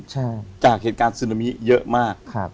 จากเหตุการณ์ซูนามีเยอะมาก